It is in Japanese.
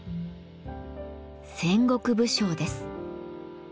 戦国武将です。